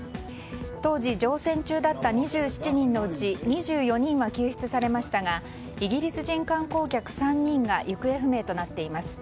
当時、乗船中だった２７人のうち２４人は救出されましたがイギリス人観光客３人が行方不明となっています。